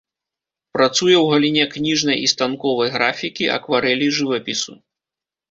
Працуе ў галіне кніжнай і станковай графікі, акварэлі, жывапісу.